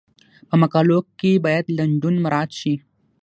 په مقالو کې باید لنډون مراعات شي.